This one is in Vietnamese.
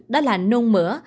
đó là nôn mỡ